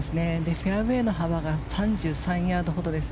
フェアウェーの幅が３３ヤードほどです。